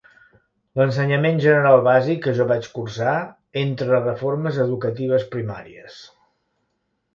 L'Ensenyament General Bàsic que jo vaig cursar, entre reformes educatives primàries.